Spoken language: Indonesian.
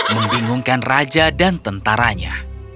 membingungkan raja dan tentaranya